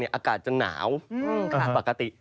อากาศจะหนาวปกติ